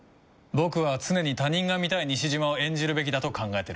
僕は常に他人が見たい西島を演じるべきだと考えてるんだ。